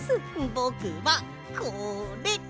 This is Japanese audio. ぼくはこれ！